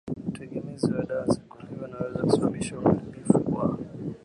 Utegemezi wa dawa za kulevya unaweza kusababisha uharibifu kwa